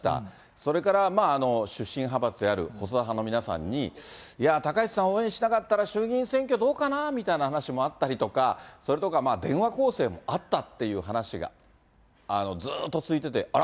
それから、出身派閥である細田派の皆さんに、いや、高市さん応援しなかったら衆議院選挙どうかなみたいな話もあったりとか、それとか電話攻勢もあったっていう話が、ずっと続いてて、あら？